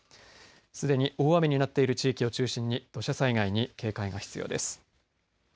すでに大雨になっている地域を中心に土砂災害に警戒が必要です。